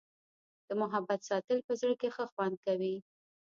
د محبت ساتل په زړه کي ښه خوند کوي.